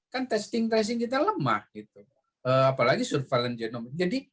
kan testing tracing kita lemah apalagi surveillance genom